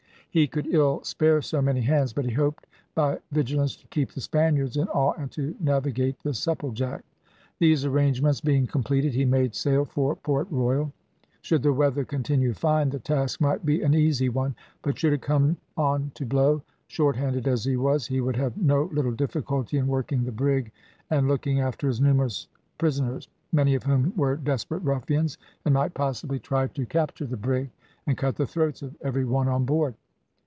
He could ill spare so many hands, but he hoped by vigilance to keep the Spaniards in awe, and to navigate the Supplejack. These arrangements being completed, he made sail for Port Royal. Should the weather continue fine, the task might be an easy one; but should it come on to blow, shorthanded as he was, he would have no little difficulty in working the brig and looking after his numerous prisoners, many of whom were desperate ruffians, and might possibly try to capture the brig, and cut the throats of every one on board.